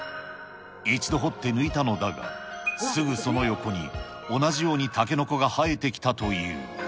一度掘って抜いたのだが、すぐその横に同じようにタケノコが生えてきたという。